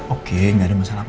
oke nggak ada masalah apa